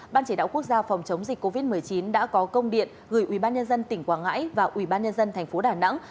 ban chỉ đạo quốc gia phòng chống dịch covid một mươi chín đã có công điện gửi ubnd tỉnh quảng ngãi và ubnd tp đà nẵng